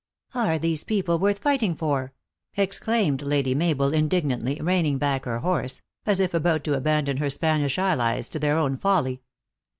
" Are these people worth fighting for?" exclaimed Lady Mabel, indignantly, reining back her horse, as if about to abandon her Spanish allies to their own folly.